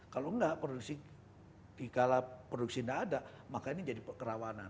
kalau enggak produksi dikala produksi tidak ada maka ini jadi kerawanan